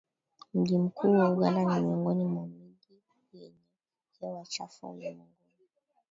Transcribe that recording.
Mji mkuu wa Uganda ni miongoni mwa miji yenye hewa chafu ulimwenguni